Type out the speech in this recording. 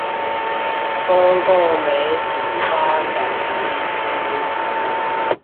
公共媒體發展基金